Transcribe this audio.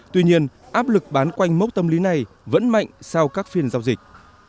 tuy nhiên áp lực bán quanh mốc tâm lý này vẫn mạnh sau các phiên giao dịch